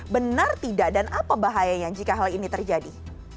benar tidak dan apa bahayanya jika hal ini terjadi